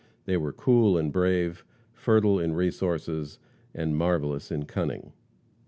They were cool and brave, fertile in resources, and marvelous in cunning.